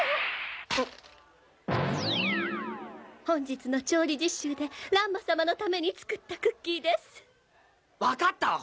本日の調理実習で乱馬様の為に作ったクッキーです分かった！